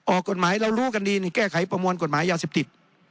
ออกกฎหมายเรารู้กันดีนี่แก้ไขประมวลกฎหมายยาเสพติด